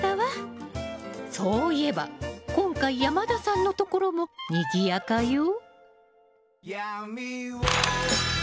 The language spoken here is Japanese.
そういえば今回山田さんのところもにぎやかよ。